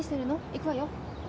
行くわよ。